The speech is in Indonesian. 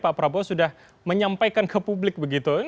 pak prabowo sudah menyampaikan ke publik begitu